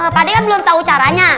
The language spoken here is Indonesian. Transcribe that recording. pade kan belum tau caranya